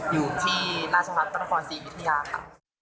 อยู่ที่ราชงาศกระบุรณภสีวิทยาค่ะ